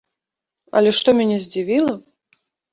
Але што мяне здзівіла!